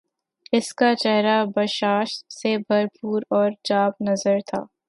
اس کا چہرہ بشاشت سے بھر پور اور جاب نظر تھا